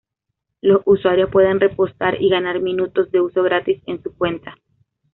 Los usuarios pueden repostar y ganar minutos de uso gratis en su cuenta.